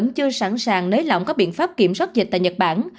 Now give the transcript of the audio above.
ông chưa sẵn sàng lấy lỏng các biện pháp kiểm soát dịch tại nhật bản